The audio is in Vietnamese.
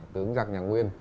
tướng giặc nhà nguyên